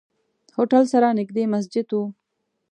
هوټل سره نزدې مسجد وو.